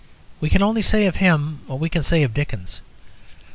We can only say of him what we can say of Dickens.